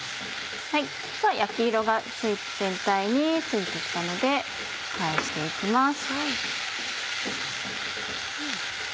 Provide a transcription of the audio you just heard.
では焼き色が全体について来たので返して行きます。